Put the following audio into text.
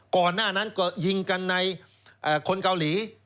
ก่อนหน้านั้นก็ยิงกันในคนเกาหลี